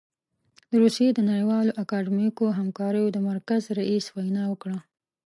د روسيې د نړیوالو اکاډمیکو همکاریو د مرکز رییس وینا وکړه.